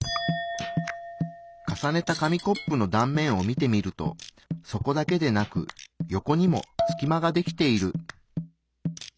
重ねた紙コップの断面を見てみると底だけでなく横にもすき間ができている。